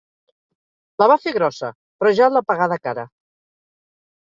La va fer grossa, però ja l'ha pagada cara.